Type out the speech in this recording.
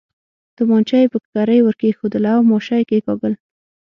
تومانچه یې پر ککرۍ ور کېښووله او ماشه یې کېکاږل.